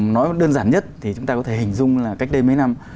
nói đơn giản nhất thì chúng ta có thể hình dung là cách đây mấy năm